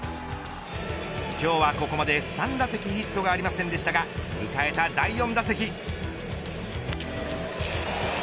今日はここまで、３打席ヒットがありませんでしたが迎えた第４打席。